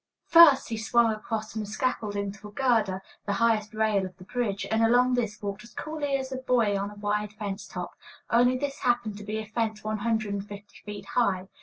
First he swung across from the scaffolding to a girder, the highest rail of the bridge, and along this walked as coolly as a boy on a wide fence top, only this happened to be a fence one hundred and fifty feet high.